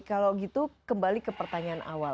kalau gitu kembali ke pertanyaan awal